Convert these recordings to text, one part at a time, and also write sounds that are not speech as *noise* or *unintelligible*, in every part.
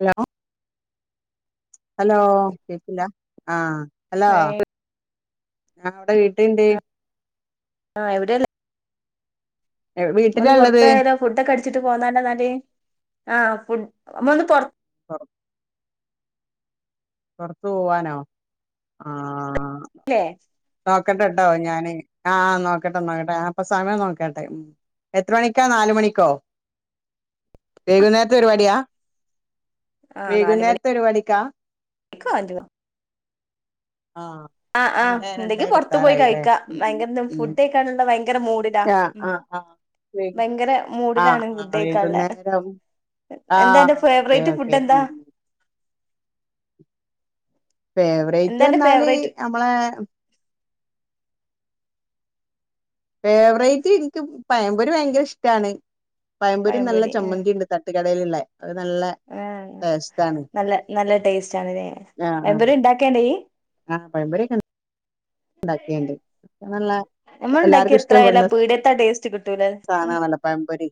Hello hello. കേക്ക്‌ണില്ലാ ആഹ് hello. ഏയ് ഞാവ്ടെ വീട്ടിൽണ്ട്. ആഹ് എവിടെള്ളെ? നമ്മള് വീട്ടിലാ ഇള്ളത് പൊർത്തോയാലോ? ഫുഡക്കെ അടിച്ചിട്ട് പോന്നാലോന്നാല്? ആഹ് ഫുഡ് നമ്മ ഒന്ന് പൊറ- പൊറത്ത് പൂവാനോ? ആഹ് ല്ലേ? നോക്കട്ടെട്ടോ ഞാന്. ആഹ് നോക്കട്ടെ നോക്കട്ടെ. അപ്പോ സമയം നോക്കട്ടെ. ഉം എത്ര മണിക്കാ നാല് മണിക്കോ? വൈകുന്നേരത്തെ പരിപാടിയാ? ആ വൈകുന്നേരത്തെ നാലുമണിക്കോ പരിപാടിക്കാ? *unintelligible* ആഹ് ആ ആ രണ്ടെ എന്തെങ്കി പുറത്തു പോയി രണ്ടെരുവത്താറായില്ലേ കഴിക്കാം ഭയങ്കര ഉം ഫുഡ് കഴിക്കാനുള്ള ഭയങ്കര മൂഡിലാ ആഹ് ഉം അഹ് അഹ് വെ ഭയങ്കര ആഹ് മൂഡിലാണ് ആഹ് ഫുഡ് കഴിക്കാനുള്ള വൈകുന്നേരം എന്താ അന്റെ ആഹ് ഓക്കെ ഫേവറേറ്റ് ഫുഡ് ഓക്കെ. എന്താ ഫേവറേറ്റ് എന്താ അന്റെ അർഞ്ഞാല് ഫേവറേറ്റ് നമ്മളേ. ഫേവറേറ്റ് ഇൻക്ക് പയംമ്പൊരി ഭയ്ങ്കര ഇഷ്ട്ടാണ്. പയംപൊരീം നല്ല പഴംപൊരി ചമ്മന്തി ണ്ട് തട്ടുകടയില്ള്ളെ അത് നല്ലെ. ആഹ് നല്ല നല്ല ടേസ്റ്റ് ആണ്ലെ. ആഹ് ആഹ് പഴംപൊരിണ്ടാക്കണ്ടയ്യ്? ആഹ് പഴംപൊരിക്കെണ്ടാക്കണ്ട്. നല്ല എല്ലാർക്കും ഇഷ്ട്ടപ്പെട്ന്ന. പീട്യേത്തെ ടേസ്റ്റ് കിട്ടൂലേ.? സാനാണല്ലോ പഴംമ്പൊരി.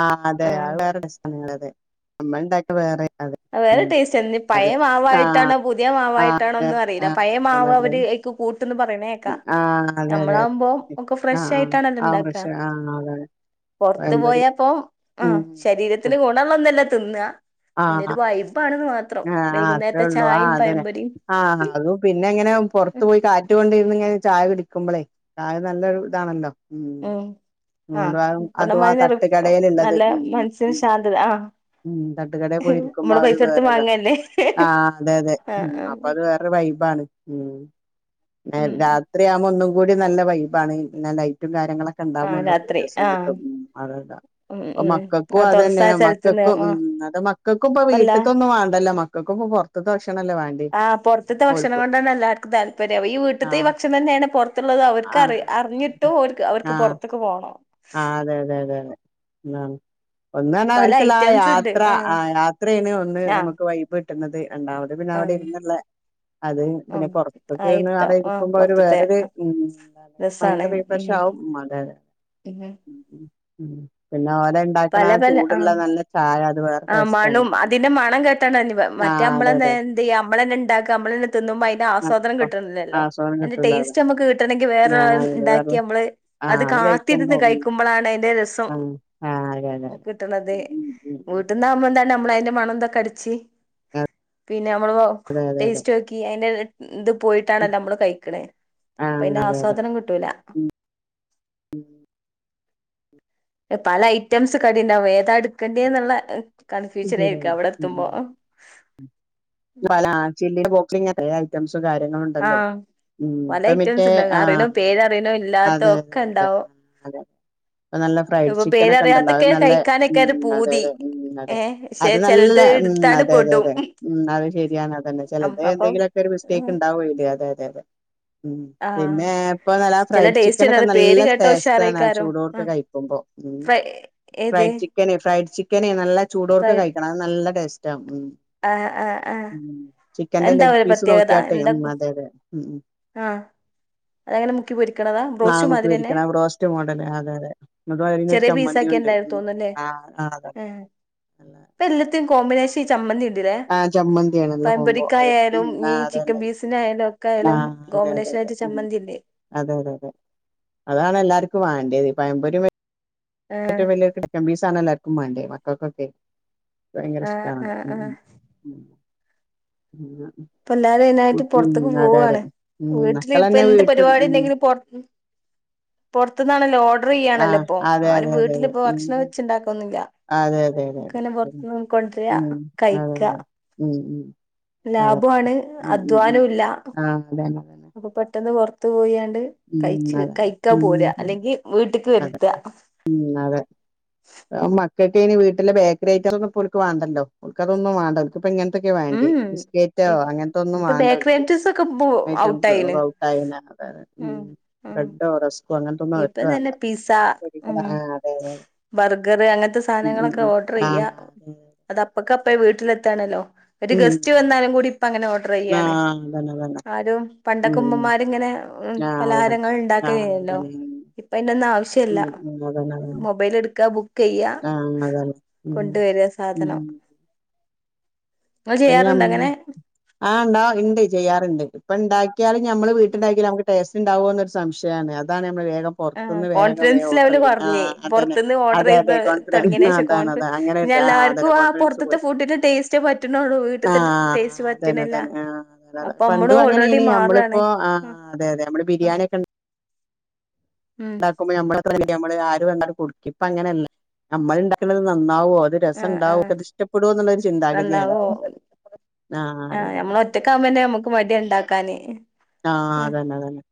ആഹ് അതെ ആ *unintelligible* *unintelligible* നമ്മള് ണ്ടാക്കിയ വേറെക്കാരം. അഹ് വേറെ ടേസ്റ്റ് ന്നെ. നി പയേ മാവായിട്ടാണോ പുതിയ ആഹ് മാവായിട്ടാണോ അതെ ഒന്നും അറിയില്ല, ആഹ് പയേ അതന്നെ മാവ് അതെ അവര്. ക് കൂട്ടുന്ന് പറയണേക്കാ ആഹ് അതെ അതെ അതെ നമ്മളാവുമ്പോം അതെ ഒക്കെ ഫ്രഷ ആഹ് ആഹ് ആയിട്ടാണല്ലോ ആഹ് ണ്ടാക്കാ. ഫ്രഷ് ആഹ് അതാണ് പൊർത്ത് പഴംപൊരി പോയപ്പോ ആഹ് ഉം ശരീരത്തിന് ഗുണള്ള ഒന്നല്ല തിന്നാ. ആഹ് ആഹ് അത്രേ വൈകുന്നേരത്തെ ഉള്ളൂ ചായയും ആഹ് അതന്നേയാ. പഴംപൊരിയും ആഹ് അതും പിന്നെ ഇങ്ങനെ പുറത്തു പോയി കാറ്റ്കൊണ്ടിര്ന്ന്ങ്ങനെ ചായ കുടിക്കുബ്ലെ. ആഹ് നല്ലൊരു ഇതാണല്ലോ. ഉം അഹ് അതുകൊണ്ട് അതും ആ അത്മാരി തട്ടുകടയിലുള്ളത് നല്ല ഉം മനസ്സിന് ഉം ശാന്തത ആഹ് ഉം തട്ടുകടെ പോയിരിക്കുമ്പോ നമ്മള് പൈസ ആഒര്ത് കൊടുത്ത് വേറെഇതാ. വാങ്ങല്ലേ ആഹ് അതെ അതെ ആഹ് ഉം അപ്പൊ ആഹ് അത് വേറെരു വൈബാണ് ഉം എഹ് ഉം രാ ത്രിയാവ്മ്പോ ഒന്നും കൂടി നല്ല വൈബാണ് പിന്നെ ലൈറ്റും കാര്യങ്ങളൊ ക്കെണ്ടാഉമ്പോ ആഹ് ന്തോ രാത്രി രസം ആഹ് കിട്ടും, ഉം അതതാ ഉം പ്പൊ ഉം മക്കക്കും ആഹ് അത് തൊടസായ തന്നെയാ മ സ്ഥലത്ത്ന്ന് ക്കക്കും ആഹ് ഉം അത് മക്കക്കും ഇപ്പൊ ഇപ്പല്ല വീട്ട്ത്തൊന്നും വേണ്ടല്ലോ മക്കക്കും ഇപ്പൊ പുറത്ത് ഭക്ഷണല്ലേ വാ ആഹ് പൊർത്ത്ത്തെ ഭക്ഷണം കൊണ്ടാണ് എല്ലാർക്കും താല്പര്യം ഈ വീട്ട്ത്തെ ഈ ആഹ് ഭക്ഷണന്നെണ് പൊർത്തുള്ളത് അവർക്ക് അറി ആഹ് അറിഞ് അതെ ട്ടും ഓര്ക് അവര്ക്ക് ആഹ് പൊർത്ത്ക്ക് പോണം. ആഹ് അതെ തെ തെ തെ ന്നാണ്. ഒന്നന്ന്ർഞ്ഞാ പല അവർക്ള്ളാ ഐറ്റംസ് ഉണ്ട് യാത്ര ആഹ് യാത്രേണ് ഒന്ന് ആഹ് നമുക്ക് വൈബ്. ട്ട്ന്നത് രണ്ടാമത് പിന്ന അവ്ടെ ആഹ് ഇര്ന്ന്ള്ളെ. അതും പിന്നെ ആഹ് പൊർത്ത്ക്ക്‌ ആയിരിക്കാം ആടെ ആഹ് ഇരിക്കുമ്പോ ഒരു പൊറത്തത്തെ വേറൊരു ഉം മൈന്റ് റി ഫ്രഷാവും മതേ പിന്നെ പിന്ന ഓര് ണ്ടാക്കണ പല പല ചൂടുള്ള ആഹ് നല്ല ചായ അതുവേ ആഹ് മണും അതിന്റെ മണം കേട്ടാണ്, മറ്റേ ആഹ് അതെ മ്മളന്നെ അതെ എന്ത്യ്യ നമ്മളന്നെണ്ടാക്കാ നമ്മളെ ആഹ് തിന്നുമ്പയ്ന്റാസ്വാദനം പ്പ കിട്ട്ണില്ലല്ലോ ആസ്വാദനം അയ്ന്റെ കിട്ടൂല അതാണ് ടേസ്റ്റമ്മക്ക് കിട്ടണെങ്കി ആഹ് അത് വേറൊരാള്ണ്ടാക്കി വേറെ നമ്മള് ആഹ് അത് കയ് ത്തിര്ന്ന് കയ്ക്കുമ്പളാണ് അയ്ന്റെ രസ് അഹ് ആഹ് അതെ അതെ *inaudible* ന്നാ നമ്മള്ന്താണ് നമ്മളയ്ന്റെ മണംതൊക്കടിച്ച് ഉം പിന്നെമ്മളോ അതെ അതെ അതെ ടേസ്റ്റോക്കി ഈ അയ്ൻ്റെത് ഇന്ത് പോയിട്ടാണല്ലൊമ്മള് കഴിക്ക്ണ് ആഹ് അപ്പൊയ്ൻ്റെ അതെ ആസ്വാദനം കിട്ടൂല ഉം പല ഐറ്റംസ് കടിണ്ടാവും അത് ഏതാട്ക്കണ്ടിന്ന്ള്ള ശരിയാണ് കൺഫ്യൂഷനയ്ക്ക ഉം അവിടെത്തുമ്പോ ഉം ചില്ലിൻ്റെ ബോക്സിലിഞ്ഞ് എത്രങ്ങാനു ഐറ്റംസ് കാര്യങ്ങള്ണ്ടല്ലോ ആഹ് ഉം പല ഇപ്പ ഐറ്റംസ് മറ്റേ ഉണ്ടാവും അറിയണോ ആഹ് പേരറിയണോ ഇല്ലാത്ത അതെ ഒക്കെ അതെ ഉണ്ടാവും അതെ അതെ ഇപ്പ നല്ല ഫ്രൈഡ് ഇപ്പൊ ചിക്കനൊക്കെണ്ടല്ലോ അത് പേരറിയാത്തൊക്കെ നല്ല കഴിക്കാനൊക്കെ ഉം ഒരു അതെ പൂതി അതെ ഉം അതെ ഏഹ് പക്ഷെ അത് നല്ല ചിലത് ഉം എടുത്താണ്ട് അതെ അതെ പെടും അതെ ഉം അത് ശരിയാണ് അതന്നെ ചെലത് അപ്പം എന്തെങ്കിലൊക്കൊര് മിസ്റ്റേക്ക്ണ്ടാവൊയ്‌ല് അതെ അതെ അതെ ഉം ആഹ് പിന്നെ ഇപ്പൊ നല്ല ആ ചില ഫ്രൈഡ് ടേസ്റ്റ് ചിക്കനൊക്കെ ഉണ്ടാവും പേര് നല്ല കേട്ടാ ടേസ്റ്റാണ് ആ ഉഷാറേക്കാരം ആ ചൂടോട്ക്കെ കഴിക്കുമ്പോ ഉം ഫ്രൈ ഏത് ഫ്രൈഡ് ചിക്കന് ഫ്രൈഡ് ചിക്കന് നല്ല ചൂടോട്ക്കെ കഴിക്കണം അത് നല്ല ടേസ്റ്റാ ഉം ആഹ് ആഹ് ആഹ് ഉം ചിക്കന്റെ ലെഗ് പീസ് നോക്കിയാട്ടെ ഉം അതെ അതെ ഉം അഹ് അതെങ്ങനെ മുക്കി പൊരിക്ക്ണതാ ബ്രോസ്റ്റ് നാവുമ്മക്ക് മാതിരിയന്നെ പിടിക്കണ ബ്രോസ്റ്റ് മോഡല് അതെ അതെ എന്നിട്ട് അതിനൊരു ചെറിയ ചമ്മന്തിയുണ്ട് പീസാക്കിയണ്ടായി ഉം തോന്ന്ണ്ല്ലേ ആഹ് ആഹ് അതെ ഉം ഇപ്പെല്ലത്തിനും കോമ്പിനേഷ ചമ്മന്തിണ്ട്ലേ ആഹ് ചമ്മന്തിയാണ് നല്ല കോംബോ അത് പയമ്പൊരിക്കായാലും ഉം ഇനി ആഹ് ചിക്കൻ അതന്നെ പീസിനായാലും ഒക്കായാലും ആഹ് അതെ അതെ അതെ ഉം അതെ അതെ അതെ അതാണെല്ലാർക്കും വാണ്ടത് പയമ്പൊരി ആ ഏറ്റും വല്ല്യൊര് ചിക്കൻ പീസാണെല്ലാർക്കും മാണ്ടത് മക്കക്കൊക്കെ ആ ആ ഭയ്ങ്കരഷ്ടാണത് ആ ഉം പിന്നെ ഇപ്പെല്ലാരു അയ്നായിട്ട് പൊർത്ത്ക്ക് പോവാണ് ഉം വീട്ടിലിപ്പ മക്കളന്നെ എന്ത് വീട്ട് ഉം പരിപാടിണ്ടെങ്കിലും പൊർ പൊർത്ത്ന്നാണല്ലോ ആഹ് ഓർഡറെയ്യാണല്ലൊപ്പൊ അതെ ആരും അതെ അതെ അതെ വീട്ടിലിപ്പൊ ഉം ഭക്ഷണം വെച്ചിണ്ടാക്കൊന്നുല്ല അതെ അതെ അതെ അതെ ഒക്കങ്ങനെ ശരിയാണ് പൊർത്ത്ന്ന് കൊണ്ട്രാ ഉം അതെ കയിക്ക അതെ ഉം ഉം അതെ ലാഭു ആണ് ഉം ഉം ഉം അധ്വാനുല്ല ആഹ് അതന്നെ അതന്നെ അപ്പൊ പെട്ടെന്ന് പൊർത്ത് പോയാണ്ട് ഉം കയിച്ച് അതന്നെ കയിക്കാ ഉം പോര അതന്നെ അല്ലെങ്കി വീട്ടക്ക് അതെ വര്ത്ത ഉം അതെ ഏ മക്കൾക്കയ്ന് വീട്ടിലെ ബേക്കറി ഐറ്റാളൊന്നു പ്പോൽക്ക് വാണ്ടല്ലോ ഓൽക്കതൊന്നും വാണ്ട ഇപ്പങ്ങൻത്തൊക്കെ വേണ്ടി ഉം ബിസ്കേറ്റോ അങ്ങൻത്തൊന്നും ഇപ്പൊ ബേക്കറി വാണ്ടോൽക്ക് ഐറ്റംസ് ഒക്കെ ഇപ്പൊ ഐറ്റംസ് ഔട്ടായിന് ഔട്ടായിന അത ബ്രഡോ റസ് ഇപ്പം തന്നെ പിസ ഉം ആഹ് അതെ അതെ ബർഗറ് അങ്ങൻത്തെ ഉം സാനങ്ങളൊക്കെ ഉം ഓർഡറെയ്യാ അത് അപ്പക്കപ്പെ വീട്ടിലെത്താണല്ലോ ഒര് ഉം ഗസ്റ്റ് വന്നാലും കൂടി ഇപ്പങ്ങനെ ഓർഡറെയ്യാണ് ആഹ് അതെ അതെ ആരും ഉം പണ്ടൊക്കെമ്മമാര്ങ്ങനെ ഉം ആഹ് പലഹാരങ്ങൾ അതന്നെ ഇണ്ടാക്കലേയ്ഞ്ഞല്ലോ അതന്നെ ഇപ്പയ്ന്റൊന്നും ആവ്ശ്യല്ല ഉം ഉം ആഹ് അതന്നെ ആഹ് അതന്നെ ഉം ഉം അതന്നെ അതന്നെ മൊബൈലെട്ക്ക ബുക്കെയ്യ ആഹ് അതന്നെ ഉം കൊണ്ട് വര ഉം സാധനം നിങ്ങൾ പിന്നെ അം ചെയ്യാറുണ്ടോ അങ്ങനെ ആ ണ്ടാവും ഇണ്ട് ചെയ്യാറ്ണ്ട് ഇപ്പണ്ടാക്കിയാലും ഞമ്മള് വീട്ടിണ്ടാക്കിയാൽ നമക്ക് ടേസ്റ്റ്ണ്ടാവോ ന്നൊര് സംശയാണ് അതാണ് നമ്മള് വേഗം ആഹ് പൊറത്തുന്ന് വേഗം കോൺഫിഡൻസ് വേഗം ഓർഡർ ലെവല് ചെയ്യുന്നെ കൊർഞ്ഞ് ആഹ് അതന്നെ പൊർത്ത്ന്ന് അതെ അതെ ഓർഡറയ്ത് കോൺഫിഡൻസ് അതാണ് തൊടങ്ങീനേഷം അതാണ് അങ്ങനെ ആഹ് ഇഞ്ഞെല്ലാർക്കു അതന്നെ ആ കോൺഫിഡൻസ് പൊർത്ത്ത്തെ പോയി ഫുഡിന്റെ ടേസ്റ്റെ പറ്റ്ണൊള്ളൂ ആഹ് തന്നെ തന്നെ ആ അതെ അപ്പൊ നമ്മളും പണ്ടും ഓൾറെഡി അങ്ങനേയ്ന് മാറാണ് നമ്മള്പ്പോ ആ ആഹ് അതെ അതെ നമ്മള് ആഹ് ബിരിയാണൊക്കെ ഉം ണ്ടാക്കുമ്പ നമ്മളെത്ര വല്ല്യ നമ്മള് ആര് വന്നാലും കൊടുക്കെ ഇപ്പങ്ങനെല്ല നമ്മള്ണ്ടാക്ക്ണത് നന്നാവോ അത് രസം ആഹ് ഉണ്ടാവും ആഹ് ഒത് ഇഷ്ടപ്പെടോ എന്നുള്ളരു ചിന്താഗതിയാണ് നന്നാവോ ആ അതാണ് ഒറ്റക്ക മ്മനെ നമുക്ക് മടി ഉണ്ടാക്കാന് ആഹ അതന്നെ അതന്നെ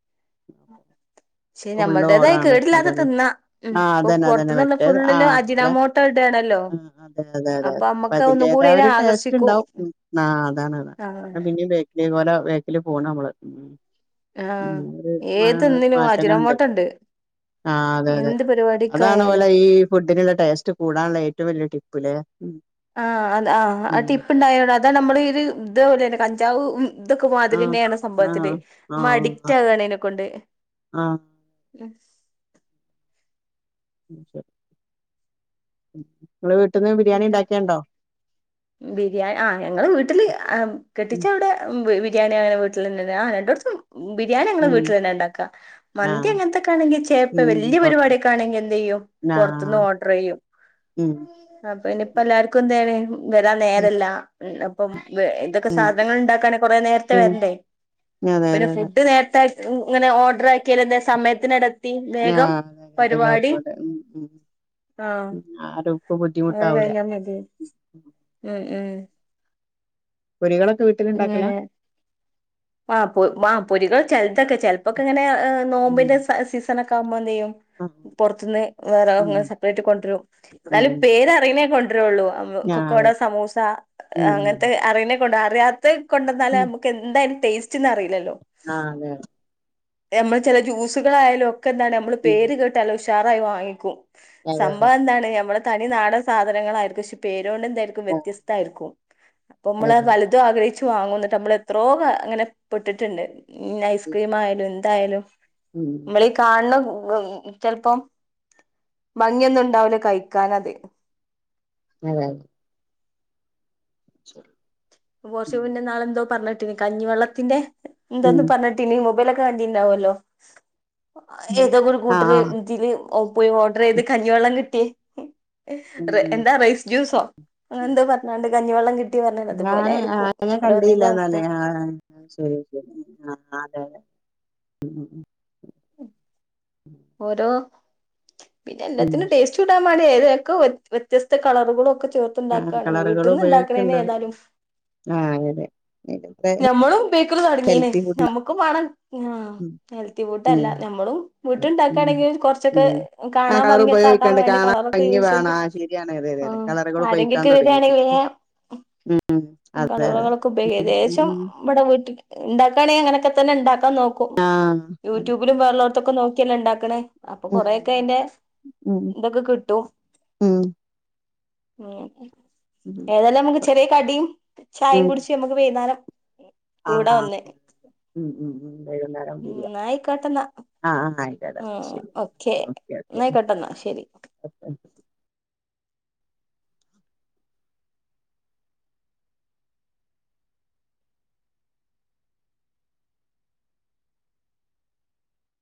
പക്ഷെ നമ്മൾടേതായി ഫുള്ളോഡറാണ് കേടില്ലാതെ അതന്നെ തിന്നാ ഉം ആഹ് ഇപ്പൊ അതന്നെ അതന്നെ പൊറത്തുന്നുള്ള മറ്റേ ഫുള്ളില് ആടെ അജിനാമോട്ട ഇടാണല്ലോ അതെ അതെ അതെ അപ്പൊ അപ്പ അമ്മക്ക് ഒന്നും കൂടി അതിന്റേതായ അയിനെ ഒരു ടേസ്റ്റ് ആകർഷിക്കും ഇണ്ടാവും ഉം ആഹ് അതാണ് ആഹ് *unintelligible* പിന്നേം *unintelligible* ഇതേപോലെ ബേക്കില് പോണം നമ്മള് ഉം ഉം ആഹ് ഏതിന്നിനും *unintelligible* ട്ടകണ്ട് അജിനോമോട്ടണ്ട് ആഹ് അതെ അതെ എന്ത് അതാണ് ഓലെ പരിപാടിക്കായാലും ഈ ഫുഡിനുള്ള ടേസ്റ്റ് കൂടാനുള്ള ഏറ്റവും വല്ല്യ ടിപ്പിലേ ആഹ് അത് ആഹ് ആ ടിപ്പ് ഇണ്ടായോട അതാ നമ്മളീ ഇത് ഇതേപോലന്നെ കഞ്ചാവ് ഉം ഇതൊക്കെ ആഹ് മാതിരിന്നെയാണ് ആഹ് സംഭവത്തില് നമ്മ അഡിക്റ്റ് ആഹ് ആകാണ് ഇയിനെക്കൊണ്ട് ആഹ് എ *unintelligible* നിങ്ങള വീട്ടിന്ന് ബിരിയാണി ഇണ്ടാക്കിയെണ്ടോ ബിരിയാ ആഹ് ഞങ്ങള വീട്ടില് ആഹ് കെട്ടിച്ചവിടെ ബിരിയാണി അങ്ങനെ വീട്ടിലന്നെ ആഹ് രണ്ടോടത്തും ബിരിയാണി ഞങ്ങളെ ഉം വീട്ടിലന്നെ ഇണ്ടാക്കാ മന്തി ആഹ് അങ്ങനത്തൊക്കാണെങ്കി ചേപ്പ ഉം വല്ല്യ പരിപാടിയൊക്കെ ആണെങ്കി എന്ത് ചെയ്യും ആഹ് പൊറത്തിന്ന് ഓർഡർ ചെയ്യും ഉം അപ്പ ഇനി ഇപ്പെല്ലാർക്കും എന്താണ് വരാൻ നേരെല്ല ഇം അപ്പം വേ ഇതൊ ക്കെ ഉം സാധങ്ങള് ഇണ്ടാക്കാൻ കുറേ നേരത്തെ ഉം വരണ്ടേ അതെ പിന്നെ അതെ അതെ ഫുഡ് നേരത്താ ഇങ്ങനെ ഓർഡർ ആക്കിയാൽ എന്താ സമയത്തിനെട ത്തി വേഗം ആഹ് അതെ പരിപാടി എല്ലാർക്കും അതെ ഉം ഉം ആഹ് ഉം ആരും ഇപ്പ അതൊക്കെ ബുദ്ധിമുട്ടാവൂല കഴിഞ്ഞാൽ മതി ഉം. ഉം ഉം ഒരികണക്ക് ഇങ്ങനെ ആഹ് പൊ ആഹ് പൊരികള് ചിലതൊക്കെ ചെലപ്പൊക്കെ ഇങ്ങനെ ആഹ് ഉം നോമ്പിന്റെ സ സീസനൊക്കെ ആകുമ്പൊ എന്ത് ചെയ്യും ആഹ് പുറത്തുന്ന് ഉം വേറെങ്ങെ സെപ്പറേറ്റ് കൊണ്ടരും എന്നാലും ഉം പേരറിയണെ കൊണ്ടരൊള്ളൂ ആഹ് അതെ കൊക്കോഡോ സമൂസ അങ്ങനത്തെ ഉം അറിയണെ കൊണ്ട അറിയാത്ത കൊണ്ടന്നാലേ ഉം നമു ക്കെന്താ അയ്‌ന്റെ ടേസ്റ്റ്ന്ന് അറിയില്ലല്ലോ ആഹ് അതെ എമ്മ ചില ജ്യൂസുകളായാലും ഒക്കെ എന്താണ് നമ്മള് ഉം പേര് കേട്ടാലുഷാറായി വാങ്ങിക്കും അതെ അതെ സംഭവം എന്താണ് ഞമ്മടെ തനി നാടൻ സാധനങ്ങളായിരിക്കും പക്ഷെ പേരുകൊണ്ട് എന്തായിരിക്കും ആഹ് വ്യത്യസ്താരിക്കും അപ്പൊ അതെ നമ്മള് അതെ പലതും ആഗ്രഹിച്ചു വാങ്ങും എന്നിട്ട് നമ്മൾ എത്രയോ അങ്ങനെ പെട്ടിട്ടിണ്ട് ഉം ഐസ്ക്രീം ആയാലും എന്തായാലും ഉം നമ്മളീ കാണണ ചെലപ്പോം ഭംഗിയൊന്നും ഇണ്ടാവൂല കഴിക്കാനത് ഉം ശരി പോർഷ ഉം പിന്നെ ഇന്നാളെന്തോ പറഞ്ഞിട്ടിന് കഞ്ഞിവെള്ളത്തിന്റെ ഉം. എന്താന്ന് പറഞ്ഞ പിന്നെ ഈ മൊബൈലൊക്കെ കണ്ടിണ്ടാവല്ലോ ഏതൊക്ക ഒരു ആഹ് കൂട്ടര് ആഹ് ഇതില് ഓ പോയി ഓർഡർ ചെയ്ത് കഞ്ഞിവെള്ളം കിട്ടി ഉം എന്താ റൈസ് ജ്യൂസോ അങ്ങനെന്തോ പറഞ്ഞണ്ട് കഞ്ഞിവെള്ളം കിട്ടി പറഞ് ഞാന് ആഹ് ആതിരയെ കണ്ടില്ല എന്നാലേ ആഹ് ആഹ് ശരി *unintelligible* ആഹ് അതെ അതെ ഓരോ ഉം ഇതെല്ലാത്തിനും ടേസ്റ്റ് ക്കിടാൻ മടിയാ ഇതൊക്കെ വ്യത്യസ്ത കളറുകളൊക്കെ ചേർ ആഹ് ത്തിണ്ടാക്കാണ് കളറുകൾ വീട്ടിന്ന് ഉപയോഗിക്കണ്ട് ഇണ്ടാക്കണനേതാലും ആഹ് അതെ ഇപ്പത്തെ ഞമ്മളും ബേക്കറി തുടങ്ങിയേനെ ഹെൽത്തി ഫുഡാ ഞമു വണം ഉം ഹെൽത്തി ഉം ഫുഡ്ല്ല നമ്മളും ഉം ആണെങ്ക കുറച്ചൊക്കെ ഉം ആഹ് കാണാൻ കളർ ഭംഗിയൊക്കെ ആക്കാൻ ഉപയോഗിക്കാണ്ട് വേണ്ടി കാണാൻ കളറൊക്കെ ഭംഗി യൂസ് വേണം ചെയ്ത് ആഹ് ശരിയാണ് അതെ അതെ ആ അതെ കളറുകൾ ആരെങ്കിൽ ഉപയോഗിക്കാൻ വരൂ ഒകെ തുടങ്ങി ആണെങ്കിൽ പിന്നെ ഉം *unintelligible* അതെ അതെ അതെ ഉം ഉം നമ്മടെ വീട്ടിൽ ഉണ്ടാക്കുകയാണെങ്കിൽ അങ്ങനെയൊക്കെ തന്നെ ഉണ്ടാക്കാൻ നോക്കും ആഹ് അതെ അതെ യൂട്യൂബിലും വേറേ ള്ളോർത്തൊക്കെ നോക്കി ല്ല ഉണ്ടാക്കണേ അപ്പൊ കൊറെയൊക്കെ ഉം അയിന്റെ ഉം ഇതൊക്കെ കിട്ടും ഉം ഉം ഉം ഏതായാലാം നമുക്ക് ചെറിയ കടിയും ചായയും കുടിച്ച് നമ്മുക്ക് വൈകുന്നേരം ആ ഉ ഉ ഉ വൈകുന്നേരം വിരിയാ ന്നായിക്കോട്ടെന്നാ ആഹ ആഹ ആയി ഉം ഓക്കെ എന്നാ ആയ്കോട്ടെന്നാ ശരി *unintelligible*